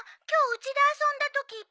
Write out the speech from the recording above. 今日うちで遊んだとき